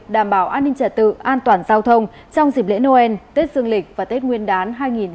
đảm bảo an ninh trả tự an toàn giao thông trong dịp lễ noel tết dương lịch và tết nguyên đán hai nghìn hai mươi